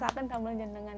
saya sudah lama saja belajar